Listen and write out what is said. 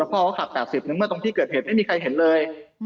พ่อเขาขับ๘๐นึงเมื่อตรงที่เกิดเหตุไม่มีใครเห็นเลย